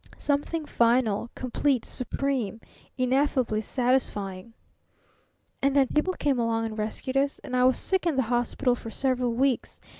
Something final, complete, supreme ineffably satisfying! "And then people came along and rescued us, and I was sick in the hospital for several weeks.